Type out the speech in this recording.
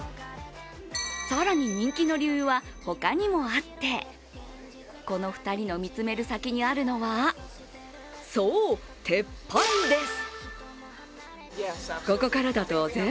更に人気の理由は他にもあって、この２人の見つめる先にあるのはそう、鉄板です。